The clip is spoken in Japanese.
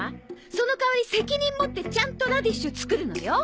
その代わり責任持ってちゃんとラディッシュ作るのよ。